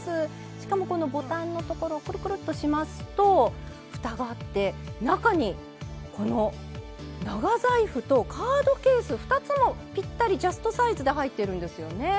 しかもこのボタンのところクルクルッとしますとふたがあって中にこの長財布とカードケース２つもぴったりジャストサイズで入ってるんですよね。